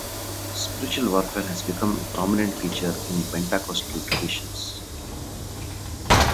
Spiritual warfare has become a prominent feature in Pentecostal traditions.